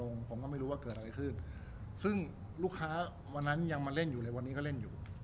งั้นใครอย่างไม่ละวันนี้ก็เล่นอยู่